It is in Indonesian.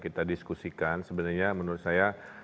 kita diskusikan sebenarnya menurut saya